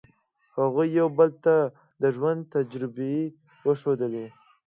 هغوی یو بل ته د ژوند تجربې وښودلې.